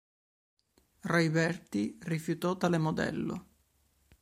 Rajberti rifiutò tale modello.